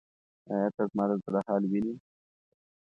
ایا ته زما د زړه حال وینې؟